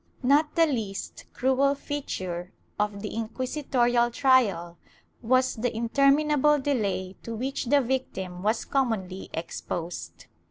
Not the least cruel feature of the inquisitorial trial was the interminable delay to which the victim was commonly exposed.